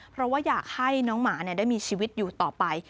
เพราะว่าอยากให้น้องหมาได้มีชีวิตอยู่ต่อไป